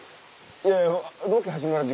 いやいや。